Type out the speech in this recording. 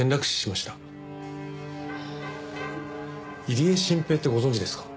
入江慎平ってご存じですか？